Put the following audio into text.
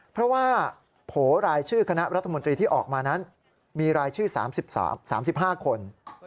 เพราะว่าโผล่รายชื่อคณะรัฐมนตรีที่ออกมานั้นมีรายชื่อ๓๕คน